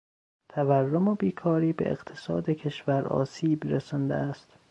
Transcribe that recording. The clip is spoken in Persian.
تورم و بیکاری به اقتصاد کشور آسیب رسانده است.